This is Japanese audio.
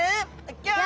ギョー！